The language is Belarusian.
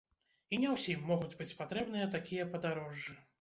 І не ўсім могуць быць патрэбныя такія падарожжы.